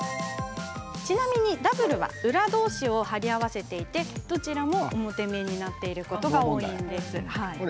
ちなみにダブルは裏同士を貼り合わせていてどちらも表面になっていることが多いんです。